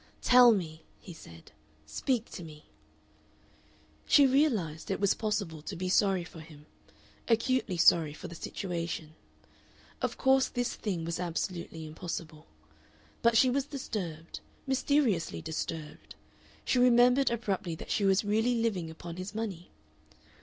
"Tell me," he said; "speak to me." She realized it was possible to be sorry for him acutely sorry for the situation. Of course this thing was absolutely impossible. But she was disturbed, mysteriously disturbed. She remembered abruptly that she was really living upon his money.